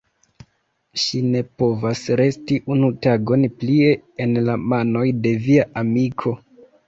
Ŝi ne povas resti unu tagon plie en la manoj de via amiko.